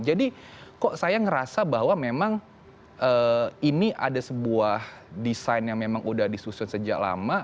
jadi kok saya ngerasa bahwa memang ini ada sebuah desain yang memang udah disusun sejak lama